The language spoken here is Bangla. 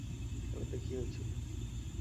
কাল রাতে কী হয়েছিল?